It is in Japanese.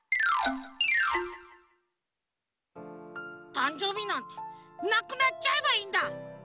たんじょうびなんてなくなっちゃえばいいんだ！